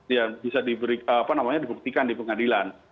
ya bisa diberi apa namanya diperhatikan di pengadilan